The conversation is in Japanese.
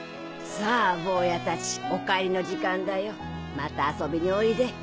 さぁ坊やたちお帰りの時間だよまた遊びにおいで。